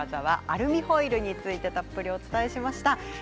アルミホイルについてお伝えしました。